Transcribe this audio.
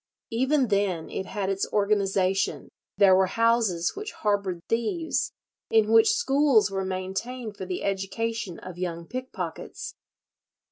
Even then it had its organization; there were houses which harboured thieves, in which schools were maintained for the education of young pickpockets.